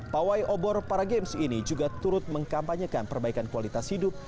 pawai obor para games ini juga turut mengkampanyekan perbaikan kualitas hidup